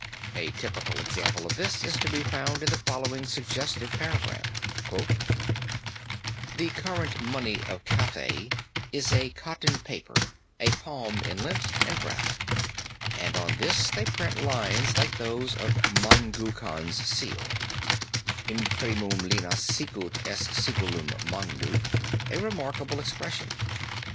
A typical example of this is to be found in the following suggestive paragraph: "The current money of Cathay is of cotton paper, a palm in length and breath, and on this they print lines like those of Mangu Khan's seal: 'imprimunt lineas sicut est sigillum Mangu'" a remarkable expression.